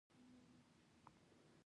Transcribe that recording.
ایا ستاسو اذان به کیږي؟